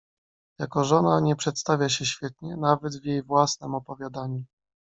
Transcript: "Jako żona nie przedstawia się świetnie, nawet w jej własnem opowiadaniu."